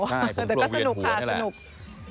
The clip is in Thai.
ใช่ผมกลัวเวียนหัวนี่แหละแต่ก็สนุกค่ะสนุก